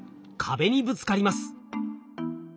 壁にぶつかります。